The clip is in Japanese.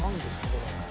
これ。